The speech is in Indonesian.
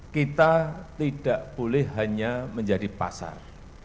kita tidak boleh hanya menjadi pasar